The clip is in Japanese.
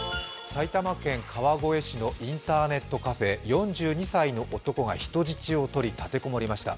埼玉県川越市のインターネットカフェ、４２歳の男が人質を取り立てこもりました。